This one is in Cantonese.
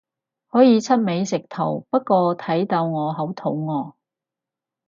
可以出美食圖，不過睇到我好肚餓